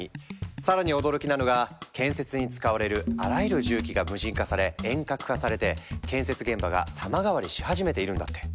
更に驚きなのが建設に使われるあらゆる重機が無人化され遠隔化されて建築現場が様変わりし始めているんだって！